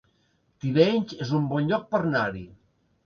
Tivenys es un bon lloc per anar-hi